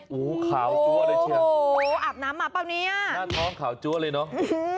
โอ้โหอาบน้ำมาเปล่าเนี้ยหน้าท้องขาวจัวเลยเนอะอื้อฮือ